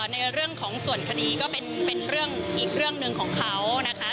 ในเรื่องของส่วนคดีก็เป็นเรื่องอีกเรื่องหนึ่งของเขานะคะ